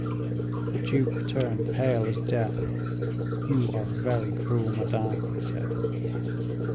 The duke turned pale as death. "You are very cruel, madame," he said.